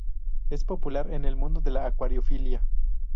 Es popular en el mundo de la acuariofilia.